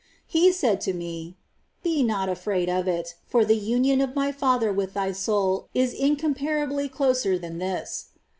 He said to me, " Be not afraid of it, for the union of My Father with thy soul is incomparably closer than this."